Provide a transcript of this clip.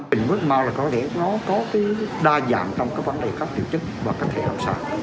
bệnh huyết mò có thể có đa dạng trong vấn đề các tiểu chức và các thể hợp sản